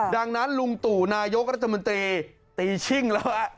ดังนั้นลุงตู่นายกรัฐมนตรีตีชิ่งแล้ว